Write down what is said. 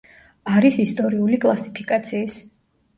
არის ისტორიული კლასიფიკაციის.